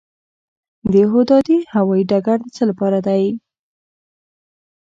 دهدادي هوايي ډګر د څه لپاره دی؟